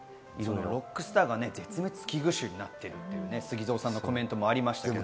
ロックスターが絶滅危惧種になっているというＳＵＧＩＺＯさんのコメントもありましたね。